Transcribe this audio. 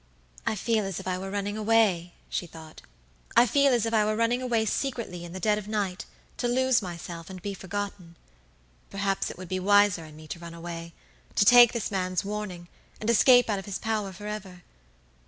"I feel as if I were running away," she thought; "I feel as if I were running away secretly in the dead of the night, to lose myself and be forgotten. Perhaps it would be wiser in me to run away, to take this man's warning, and escape out of his power forever.